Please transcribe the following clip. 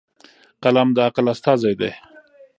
قلم د عقل استازی دی.